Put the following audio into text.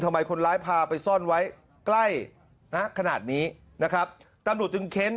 คนร้ายพาไปซ่อนไว้ใกล้นะขนาดนี้นะครับตำรวจจึงเค้น